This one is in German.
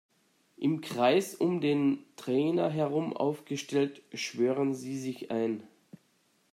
Im Kreis um den Trainer herum aufgestellt schwören sie sich ein.